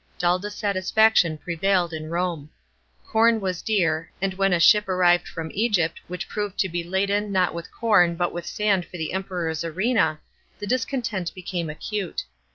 Dull dissatisfaction prevailed in Rome. Corn was dear, and when a ship arrived from Egypt which proved to be laden, not with corn, but with sand for the Emperor's arena, the discontent became acute.